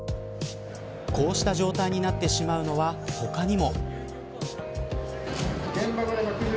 こうした状態になってしまうのは他にも。